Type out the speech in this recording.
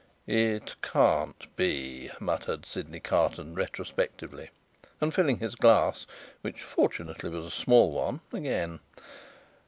"It can't be," muttered Sydney Carton, retrospectively, and idling his glass (which fortunately was a small one) again.